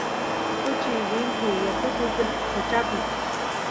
kuchis rinku yakut upyaq qochapi